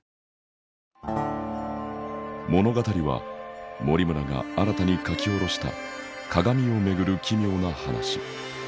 物語は森村が新たに書き下ろした鏡を巡る奇妙な話。